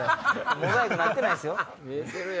モザイクになってないっすよ。